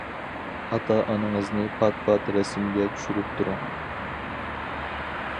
ئاتا-ئانىڭىزنى پات پات رەسىمگە چۈشۈرۈپ تۇرۇڭ.